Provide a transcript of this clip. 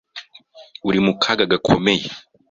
uri mu kaga gakomeye.